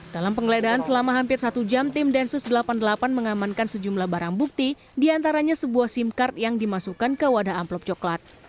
dalam penggeledahan selama hampir satu jam tim densus delapan puluh delapan mengamankan sejumlah barang bukti diantaranya sebuah sim card yang dimasukkan ke wadah amplop coklat